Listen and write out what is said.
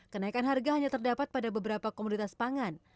kenaikan harga hanya terdapat pada beberapa komoditas pangan